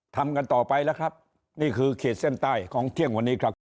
ทำกันต่อไปแล้วครับนี่คือขีดเส้นใต้ของเที่ยงวันนี้ครับ